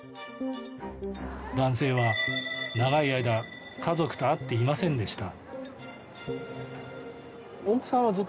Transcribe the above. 男性は長い間家族と会っていませんでした。